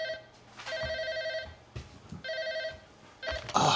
ああ。